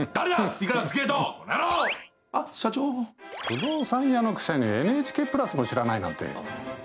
不動産屋のくせにＮＨＫプラスも知らないなんて。